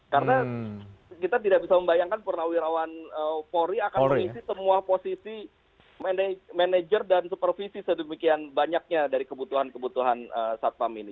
karena kita tidak bisa membayangkan purnawirawan polri akan mengisi semua posisi manajer dan supervisi sedemikian banyaknya dari kebutuhan kebutuhan satpam ini